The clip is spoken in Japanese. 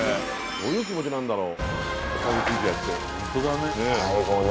どういう気持ちなんだろう。